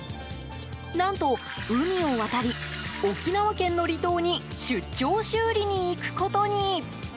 何と海を渡り、沖縄県の離島に出張修理に行くことに。